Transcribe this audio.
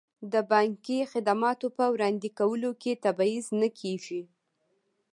د بانکي خدماتو په وړاندې کولو کې تبعیض نه کیږي.